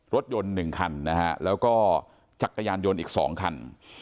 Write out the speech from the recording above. รถยนต์๑คันนะฮะแล้วก็จักรยานยนต์อีก๒คัน